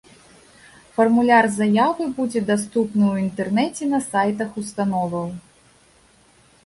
Фармуляр заявы будзе даступны ў інтэрнэце на сайтах установаў.